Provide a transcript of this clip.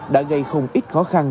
đã gây không ít khó khăn